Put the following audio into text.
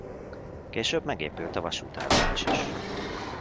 Később megépült a vasútállomás is.